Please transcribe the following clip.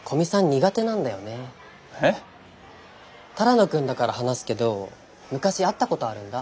只野くんだから話すけど昔会ったことあるんだ。